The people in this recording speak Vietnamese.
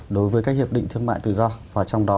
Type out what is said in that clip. đối với các hiệp định thương mại tự do